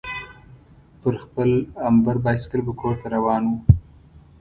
پر خپل امبر بایسکل به کورته روان وو.